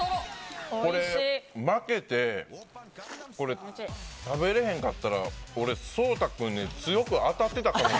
負けて食べれへんかったら俺、颯太君に強く当たってたかも。